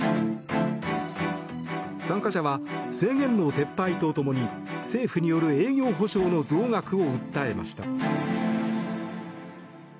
参加者は制限の撤廃とともに政府による営業補償の増額を訴えました。